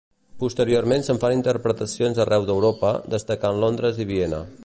Posteriorment se'n fan interpretacions arreu d'Europa, destacant Londres i Viena.